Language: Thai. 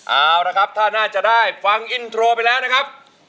เอาละครับถ้าน่าจะได้ฟังอินโทรไปแล้วนะครับ